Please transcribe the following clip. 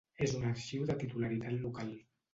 És un arxiu de titularitat local.